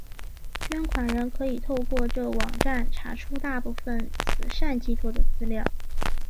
捐款人可以透过这网站查出大部份慈善机构的资料。